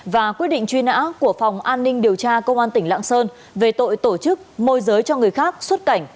và quyết định truy nã của phòng an ninh điều tra công an tỉnh lạng sơn về tội tổ chức môi giới cho người khác xuất cảnh